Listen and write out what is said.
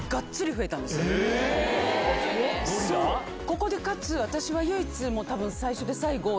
ここでかつ私は唯一最初で最後。